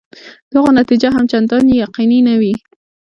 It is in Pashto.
د هغو نتیجه هم چنداني یقیني نه وي.